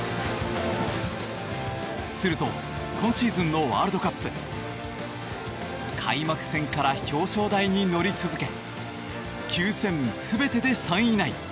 すると、今シーズンのワールドカップ。開幕戦から表彰台に乗り続け９戦全てで３位以内。